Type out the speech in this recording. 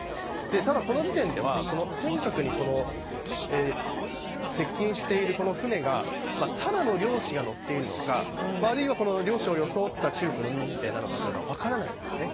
ただ、この時点では尖閣に接近している船がただの漁師が乗っているのかあるいは漁師を装った中国の民兵なのかは分からないですよね。